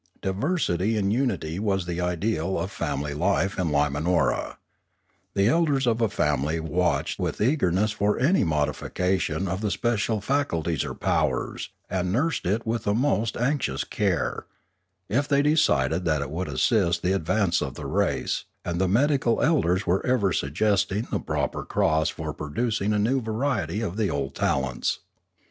Diversity in unity was the ideal of family life in Limanora. The elders of a family watched with eagerness for any modification of the special faculties or powers, and nursed it with the most anxious care, if they decided that it would assist the advance of the race, and the medical elders were ever suggesting the proper cross for producing a new variety of the old talents.